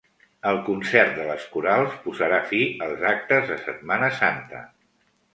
El concert de les corals posarà fi als actes de Setmana Santa.